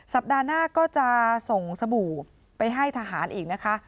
สัปดาห์หน้าก็จะส่งสบู่ไปให้ทหารอีกนะคะ